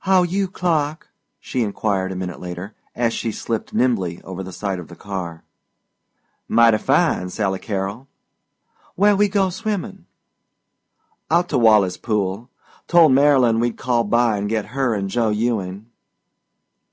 "How you, Clark?" she inquired a minute later as she slipped nimbly over the side of the car. "Mighty fine, Sally Carrol." "Where we go swimmin'?" "Out to Walley's Pool. Told Marylyn we'd call by an' get her an' Joe Ewing."